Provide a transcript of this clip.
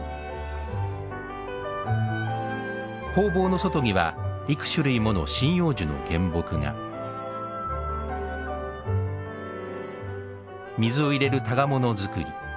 工房の外には幾種類もの針葉樹の原木が水を入れる箍物作り。